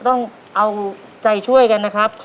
สวัสดีครับ